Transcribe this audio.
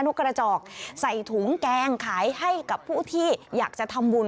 กระจอกใส่ถุงแกงขายให้กับผู้ที่อยากจะทำบุญ